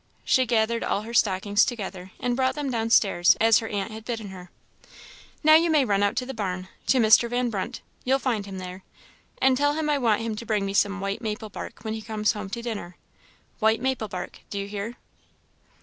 She gathered all her stockings together and brought them down stairs, as her aunt had bidden her. "Now you may run out to the barn, to Mr. Van Brunt you'll find him there and tell him I want him to bring me some white maple bark when he comes home to dinner white maple bark, do you hear?"